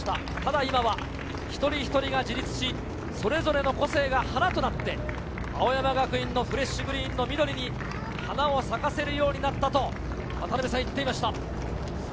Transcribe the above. ただ今は一人一人が自立し、それぞれの個性が花となって、青山学院のフレッシュグリーンの緑に花を咲かせるようになったと言っていました。